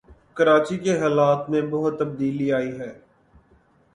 کراچی کے حالات میں بہت تبدیلی آئی ہے